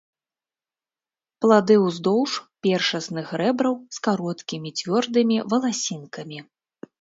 Плады ўздоўж першасных рэбраў з кароткімі цвёрдымі валасінкамі.